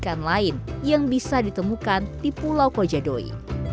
jembatan ini menjadi keunikan lain yang bisa ditemukan di pulau kojadoi